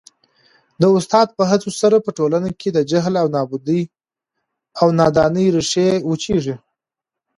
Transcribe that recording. د استاد په هڅو سره په ټولنه کي د جهل او نادانۍ ریښې وچیږي.